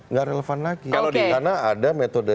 nggak relevan lagi karena ada metode